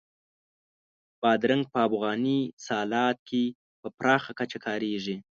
بادرنګ په افغاني سالاد کې په پراخه کچه کارېږي.